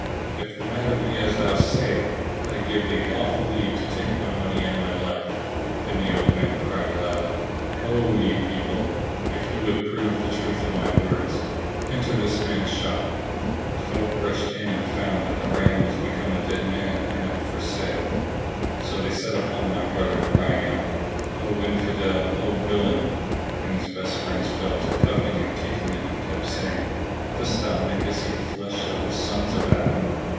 If the matter be as thou sayest, I give thee lawful leave to take my money and my life." Then the old man cried out aloud, "Ho, ye people! if you would prove the truth of my words, enter this man's shop." The folk rushed in and found that the ram was become a dead man[FN#657] hung up for sale. So they set upon my brother crying out, "O Infidel! O villain!"; and his best friends fell to cuffing and kicking him and kept saying, "Dost thou make us eat flesh of the sons of Adam?"